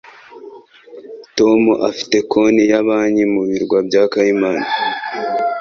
Tom afite konti ya banki mu birwa bya Cayman.